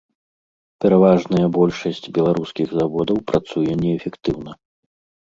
Пераважная большасць беларускіх заводаў працуе неэфектыўна.